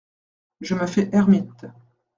Je me fais ermite.